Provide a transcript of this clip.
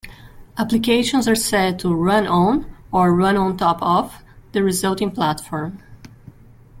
Applications are said to "run on" or "run on top of" the resulting platform.